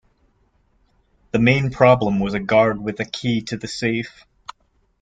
The main problem was a guard with a key to the safe.